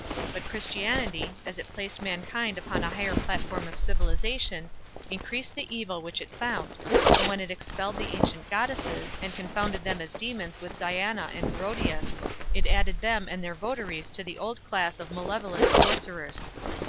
But Christianity, as it placed mankind upon a higher platform of civilization, increased the evil which it found, and when it expelled the ancient goddesses, and confounded them as demons with Diana and Herodias, it added them and their votaries to the old class of malevolent sorcerers.